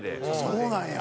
そうなんや！